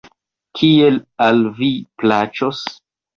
Kiel al vi plaĉos.